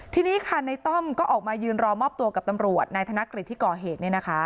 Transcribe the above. ทีนี้ค่ะในต้อมก็ออกมายืนรอมอบตัวกับตำรวจนายธนกฤษที่ก่อเหตุ